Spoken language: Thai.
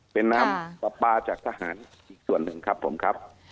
เป็นน้ำปลาปลาจากทหารอีกส่วนหนึ่งครับผมครับ